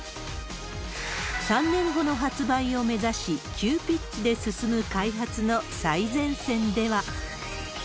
３年後の発売を目指し、急ピッチで進む開発の最前線では。